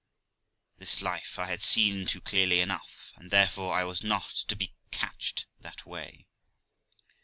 This life I had seen into clearly enough, and therefore I was not to be catched that way.